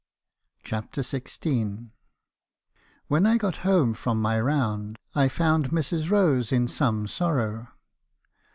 CHAPTER XVI. "When I got home from my round, I found Mrs. Rose in some sorrow.